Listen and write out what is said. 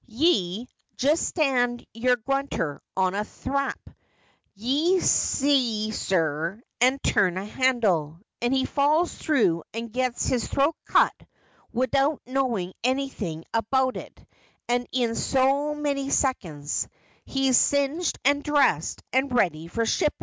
Ye just stand your grunter on a thrap, ye see, sir, and turn a handle, and he falls through and gets his throat cut widout knowin' anything about it, and in so many seconds he's singed and dressed, and ready for shippin'.